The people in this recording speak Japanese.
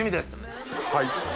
はい。